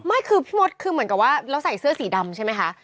ไม่คือพี่มดคือเหมือนกับว่าเราใส่เสื้อสีดำใช่ไหมคะ